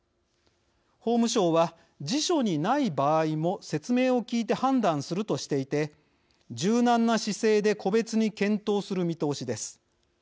法務省は辞書にない場合も説明を聞いて判断するとしていて柔軟な姿勢で個別に検討する見通しです。